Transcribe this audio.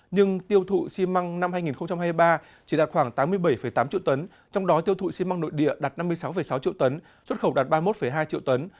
nhưng tiêu thụ xi măng năm hai nghìn hai mươi ba chỉ đạt khoảng tám mươi bảy tám triệu tấn trong đó tiêu thụ xi măng nội địa đạt năm mươi sáu sáu triệu tấn xuất khẩu đạt ba mươi một hai triệu tấn